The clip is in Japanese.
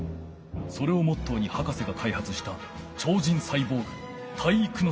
それをモットーに博士がかいはつした超人サイボーグ体育ノ介。